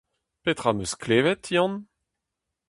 Petra am eus klevet, Yann ?